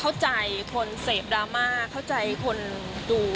เข้าใจคนเสพดราม่าเข้าใจคนดู